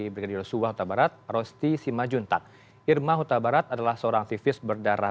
brigadier suhahtabarat rosti simajuntak irma hutabarat adalah seorang aktivis berdarah